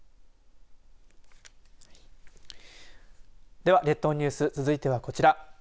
では列島ニュース続いてはこちら。